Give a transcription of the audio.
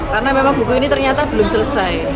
karena memang buku ini ternyata belum selesai